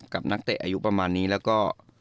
นักเตะอายุประมาณนี้แล้วก็